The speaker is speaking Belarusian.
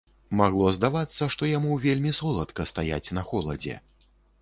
Магло здавацца, што яму вельмі соладка стаяць на холадзе.